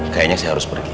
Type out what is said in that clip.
kayaknya saya harus pergi